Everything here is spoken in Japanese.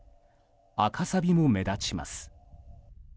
赤さびも目立ちます。